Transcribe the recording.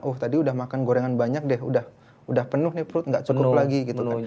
oh tadi udah makan gorengan banyak deh udah penuh nih perut nggak cukup lagi gitu kan